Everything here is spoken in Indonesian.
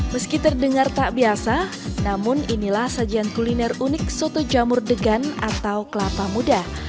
meski terdengar tak biasa namun inilah sajian kuliner unik soto jamur degan atau kelapa muda